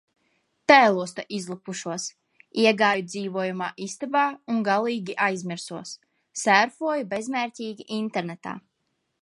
Tēlos te izlepušos. Iegāju dzīvojamā istabā un galīgi aizmirsos. Sērfoju bezmērķīgi internetā.